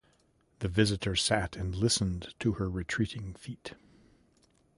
The visitor sat and listened to her retreating feet.